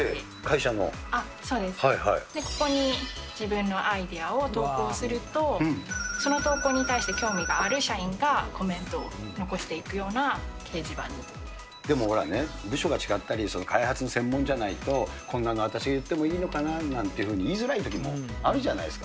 ここに自分のアイデアを投稿すると、その投稿に対して興味がある社員がコメントを残していくような掲でも、ほらね、部署が違ったり、開発の専門じゃないと、こんなの私が言ってもいいのかななんていうふうに、言いづらいときもあるじゃないですか。